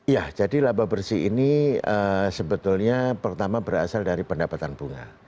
ya jadi laba bersih ini sebetulnya pertama berasal dari pendapatan bunga